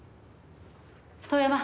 遠山。